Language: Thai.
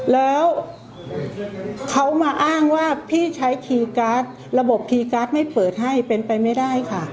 แล้วเขามาอ้างว่าพี่ใช้คีย์การ์ดระบบคีย์การ์ดไม่เปิดให้เป็นไปไม่ได้ค่ะ